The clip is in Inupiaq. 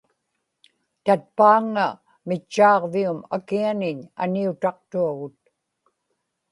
tatpaaŋŋa mitchaaġvium akianiñ aniutaqtuagut